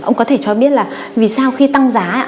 ông có thể cho biết là vì sao khi tăng giá